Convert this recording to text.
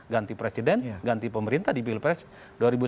ganti presiden ganti pemerintah di pilpres dua ribu sembilan belas yang akan datang